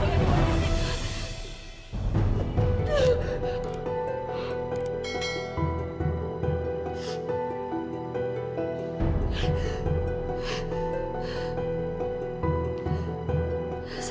gimana gak terima saja